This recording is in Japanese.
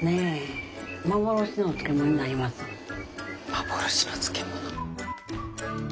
幻の漬物。